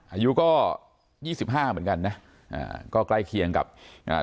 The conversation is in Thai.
อายุก็ยี่สิบห้าเหมือนกันนะอ่าก็ใกล้เคียงกับอ่า